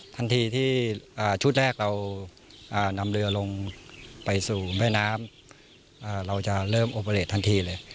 ทันทีที่อ่าชุดแรกเรานำเรือลงไปสู่แม่น้ำอ่าเราจะเริ่มทันทีเลย